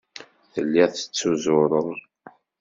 Telliḍ tettuzureḍ.